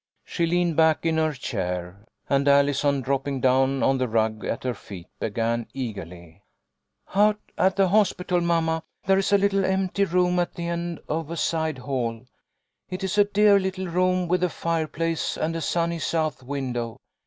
She leaned back in her chair, and Allison, dropping down on the rug at her feet, began eagerly. " Out at the hospital, mamma, there is a little empty room LLOYD MAKES A DISCOVERY. 213 at the end of a side hall. It is a dear little room with a fireplace and a sunny south window.